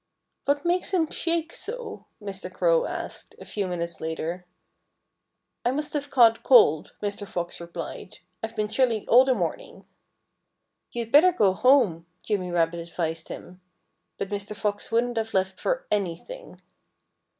"What makes him shake so?" Mr. Crow asked, a few minutes later. "I must have caught cold," Mr. Fox replied. "I've been chilly all the morning." "You'd better go home," Jimmy Rabbit advised him. But Mr. Fox wouldn't have left for anything.